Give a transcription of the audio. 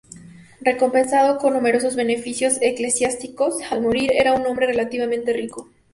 Recompensado con numerosos beneficios eclesiásticos, al morir era un hombre relativamente rico.